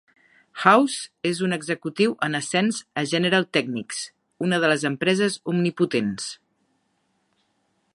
House és un executiu en ascens a General Technics, una de les empreses omnipotents.